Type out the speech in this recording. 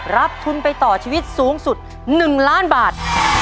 รับทุนไปต่อชีวิตสูงสุด๑ล้านบาท